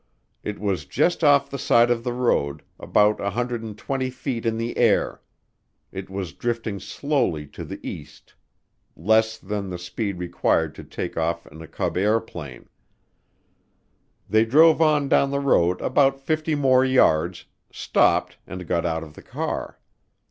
It was just off the side of the road, about 120 feet in the air. It was drifting slowly to the east, "less than the speed required to take off in a Cub airplane." They drove on down the road about 50 more yards, stopped, and got out of the car.